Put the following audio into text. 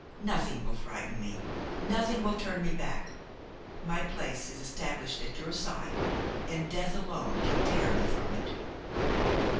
Nothing will frighten me, nothing will turn me back. My place is established at your side, and death alone can tear me from it."